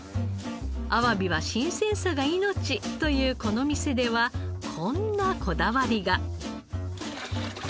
あわびは新鮮さが命というこの店ではこんなこだわりが。